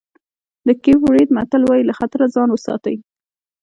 د کېپ ورېډ متل وایي له خطره ځان وساتئ.